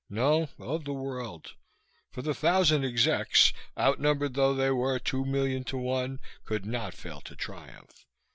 No. Of the world. For the thousand execs, outnumbered though they were two million to one, could not fail to triumph.